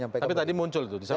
tapi tadi muncul itu